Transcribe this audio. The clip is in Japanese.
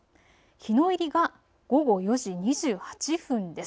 日の入りが午後４時２８分です。